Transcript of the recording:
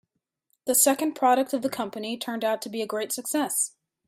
The second product of the company turned out to be a great success.